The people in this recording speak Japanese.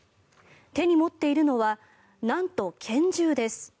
手に持っているのはなんと、拳銃です。